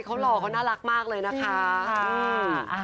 เขาหล่อเขาน่ารักมากเลยนะคะ